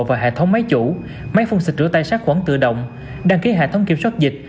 và hệ thống máy chủ máy phun xịt rửa tay sát khuẩn tự động đăng ký hệ thống kiểm soát dịch